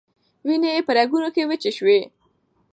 وینې یې په رګونو کې وچې شوې.